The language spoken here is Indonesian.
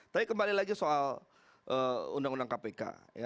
tapi kembali lagi soal undang undang kpk